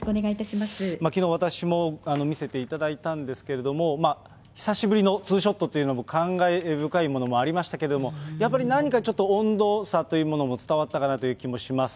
きのう、私も見せていただいたんですけれども、久しぶりのツーショットというのも感慨深いものもありましたけれども、やっぱり何かちょっと、温度差というものも伝わったような気もします。